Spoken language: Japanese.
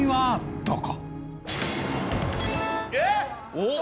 おっ！